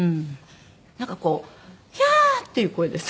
なんかこう「ヒャー！」っていう声です。